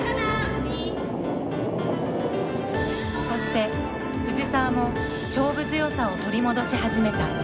そして藤澤も勝負強さを取り戻し始めた。